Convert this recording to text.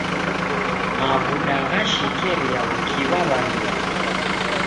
Maw'uda ghashekeria w'ukiwa w'andunyi.